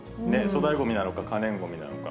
粗大ごみなのか、可燃ごみなのか。